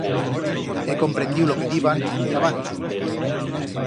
He comprendiu lo que diban, y abant.